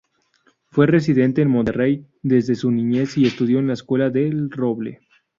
Fue residente en Monterrey desde su niñez, y estudió en la escuela del Roble.